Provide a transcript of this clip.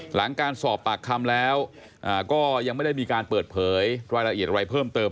หลังการสอบปากคำแล้วก็ยังไม่ได้มีการเปิดเผยรายละเอียดอะไรเพิ่มเติม